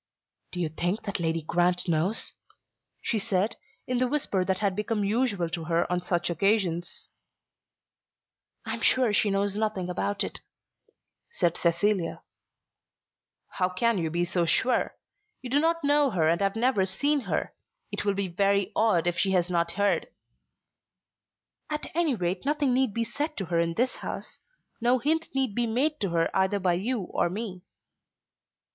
"Do you think that Lady Grant knows?" she said, in the whisper that had become usual to her on such occasions. "I am sure she knows nothing about it," said Cecilia. "How can you be sure? You do not know her and have never seen her. It will be very odd if she has not heard." "At any rate nothing need be said to her in this house. No hint need be made to her either by you or me."